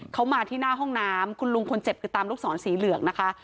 เขามาที่หน้าห้องน้ำคุณลุงคนเจ็บคือตามลูกศรสีเหลืองนะคะ